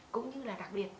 cũng như là đặc biệt